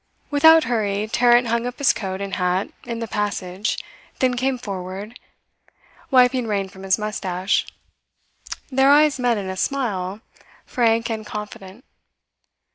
Without hurry Tarrant hung up his coat and hat in the passage, then came forward, wiping rain from his moustache. Their eyes met in a smile, frank and confident.